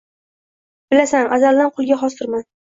ьilasan, azaldan qulga xosdirman.